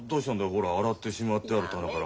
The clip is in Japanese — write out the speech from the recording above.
ほら洗ってしまってある棚から。